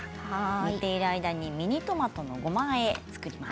煮ている間にミニトマトのごまあえを作ります。